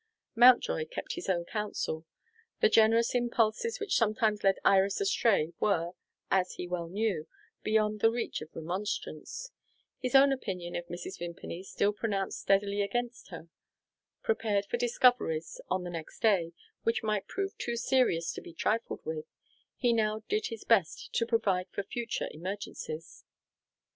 Mountjoy kept his own counsel. The generous impulses which sometimes led Iris astray were, as he well knew, beyond the reach of remonstrance. His own opinion of Mrs. Vimpany still pronounced steadily against her. Prepared for discoveries, on the next day, which might prove too serious to be trifled with, he now did his best to provide for future emergencies.